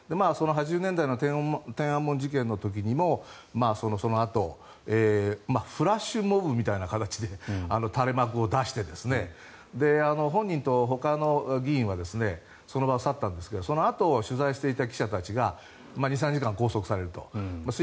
８０年代の天安門事件の時にもそのあとフラッシュモブみたいな形で垂れ幕を出して本人とほかの議員はその場を去ったんですがそのあと取材していた記者が２３時間拘束されると。